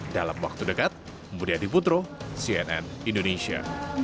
dalam waktu dekat budi adiputro cnn indonesia